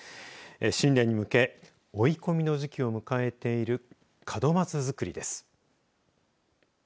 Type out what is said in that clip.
新年に向け追い込みの時期を迎えている門松作りです。